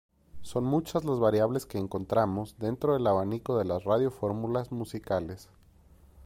Son muchas las variables que encontramos dentro del abanico de las radiofórmulas musicales.